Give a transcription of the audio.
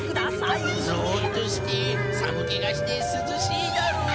ゾッとしてさむけがしてすずしいだろう。